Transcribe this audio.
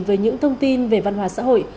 với những thông tin về văn hóa xã hội